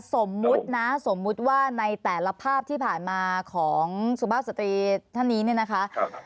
สมมุตินะสมมุติว่าในแต่ละภาพที่ผ่านมาของสุภาพสตรีท่านนี้เนี่ยนะคะ